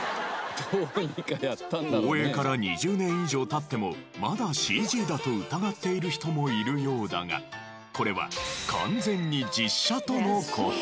放映から２０年以上経ってもまだＣＧだと疑っている人もいるようだがこれは完全に実写との事。